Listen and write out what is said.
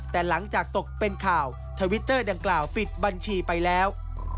แต่หลังจากตกเป็นข่าวทวิตเตอร์ดังกล่าวปิดบัญชีไปแล้ว